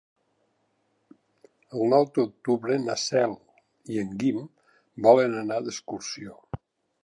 El nou d'octubre na Cel i en Guim volen anar d'excursió.